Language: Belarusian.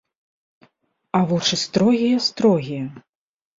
А вочы строгія, строгія.